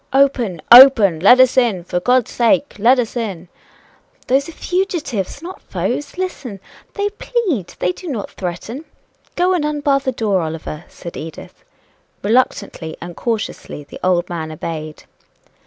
"Open! open! let us in! for God's sake, let us in!" "Those are fugitives not foes listen they plead they do not threaten go and unbar the door, Oliver," said Edith. Reluctantly and cautiously the old man obeyed.